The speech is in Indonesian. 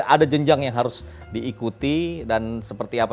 ada jenjang yang harus diikuti dan seperti apa